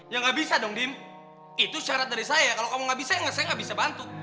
ya gak bisa dong dim itu syarat dari saya kalau kamu gak bisa ya nggak saya gak bisa bantu